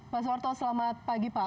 pak suwarto selamat pagi pak